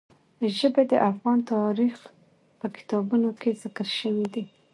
ژبې د افغان تاریخ په کتابونو کې ذکر شوي دي.